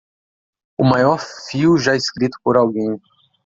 O maior fio já escrito por alguém.